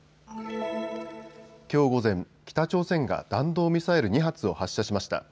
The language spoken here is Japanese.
きょう午前、北朝鮮が弾道ミサイル２発を発射しました。